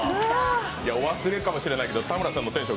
お忘れかもしれないけど田村さんのテンション。